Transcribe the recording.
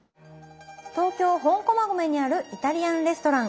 東京・本駒込にあるイタリアンレストラン。